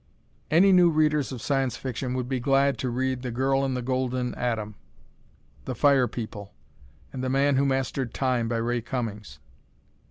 Any new readers of Science Fiction would be glad to read "The Girl in the Golden Atom," "The Fire People" and "The Man Who Mastered Time," by Ray Cummings.